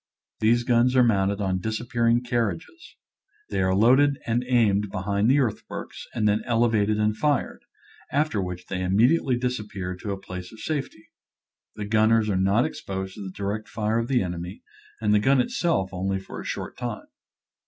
These guns are mounted on disappearing carriages. They are loaded and aimed behind the earthworks and then elevated and fired, after which they im mediately disappear to a place of safety. The gunners are not exposed to the direct fire of the enemy, and the gun itself only for a short time.